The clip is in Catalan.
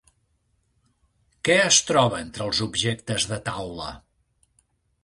Què es troba entre els objectes de taula?